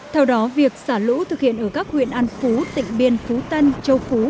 theo đó việc xả lũ thực hiện ở các huyện an phú tỉnh biên phú tân châu phú